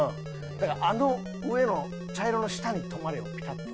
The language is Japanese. だからあの上の茶色の下に止まれよピタッと。